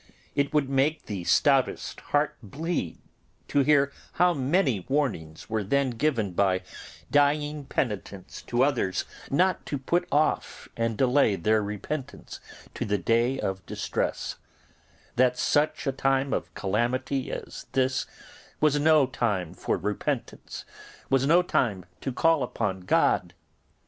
It would make the stoutest heart bleed to hear how many warnings were then given by dying penitents to others not to put off and delay their repentance to the day of distress; that such a time of calamity as this was no time for repentance, was no time to call upon God.